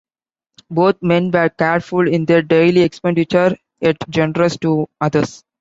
Both men were careful in their daily expenditure, yet generous to others.